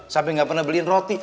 sampai gak pernah beliin roti